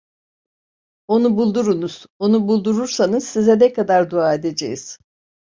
Onu buldurunuz, onu buldurursanız size ne kadar dua edeceğiz…